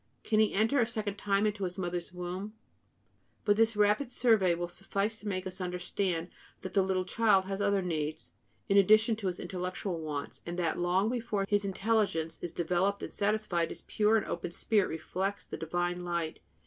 Can he enter a second time into his mother's womb?" But this rapid survey will suffice to make us understand that the little child has other needs, in addition to his intellectual wants, and that long before his intelligence is developed and satisfied, his pure and open spirit reflects the divine light.